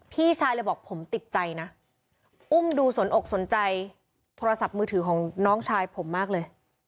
พี่ชายเลยบอกผมติดใจนะอุ้มดูสนอกสนใจโทรศัพท์มือถือของน้องชายผมมากเลย